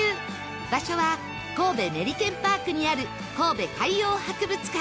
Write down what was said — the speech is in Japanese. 場所は神戸メリケンパークにある神戸海洋博物館